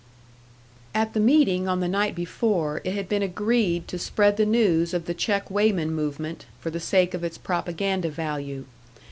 At the meeting on the night before it had been agreed to spread the news of the check weighman movement, for the sake of its propaganda value.